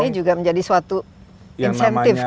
ini juga menjadi suatu insentif kan ya